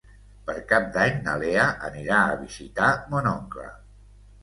Per Cap d'Any na Lea anirà a visitar mon oncle.